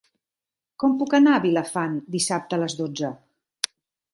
Com puc anar a Vilafant dissabte a les dotze?